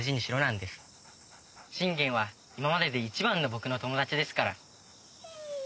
シンゲンは今までで一番の僕の友達ですから。